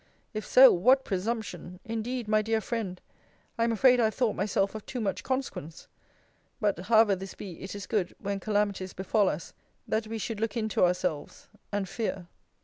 If so, what presumption! Indeed, my dear friend, I am afraid I have thought myself of too much consequence. But, however this be, it is good, when calamities befal us, that we should look into ourselves, and fear.